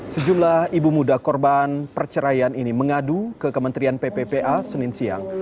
sejumlah ibu muda korban perceraian ini mengadu ke kementerian pppa senin siang